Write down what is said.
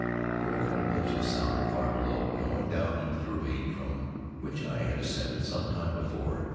Here I caught a glimpse of Sounder far below, going down into the ravine from which I had ascended some time before.